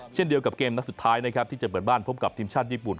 เช่นเดียวกับเกมนัดสุดท้ายนะครับที่จะเปิดบ้านพบกับทีมชาติญี่ปุ่น